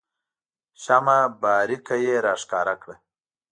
شمه بارقه یې راښکاره کړه.